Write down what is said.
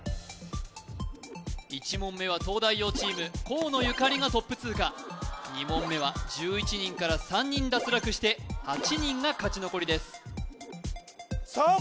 １問目は東大王チーム河野ゆかりがトップ通過２問目は１１人から３人脱落して８人が勝ち残りですさあ